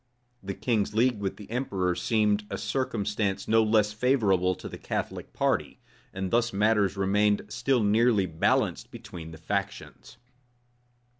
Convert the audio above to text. The king's league with the emperor seemed a circumstance no less favorable to the Catholic party; and thus matters remained still nearly balanced between the factions.